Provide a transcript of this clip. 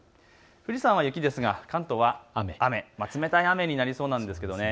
富士山は雪ですが、関東は雨、冷たい雨になりそうです。